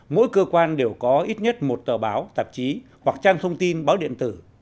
mỗi cơ quan đều có ít nhất một tờ báo tạp chí hoặc trang thông tin báo điện tử